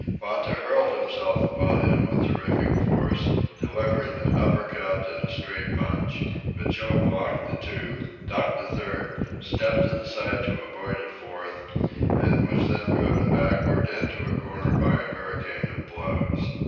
Ponta hurled himself upon him with terrific force, delivering an uppercut and a straight punch. But Joe blocked the two, ducked a third, stepped to the side to avoid a fourth, and was then driven backward into a corner by a hurricane of blows.